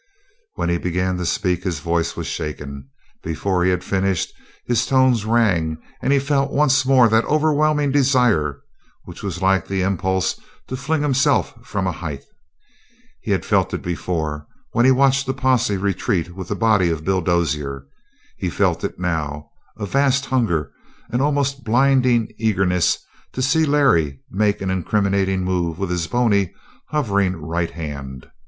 When he began to speak his voice was shaken; before he had finished, his tones rang, and he felt once more that overwhelming desire which was like the impulse to fling himself from a height. He had felt it before, when he watched the posse retreat with the body of Bill Dozier. He felt it now, a vast hunger, an almost blinding eagerness to see Larry make an incriminating move with his bony, hovering right hand.